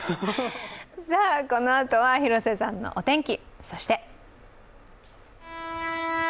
このあとは広瀬さんのお天気。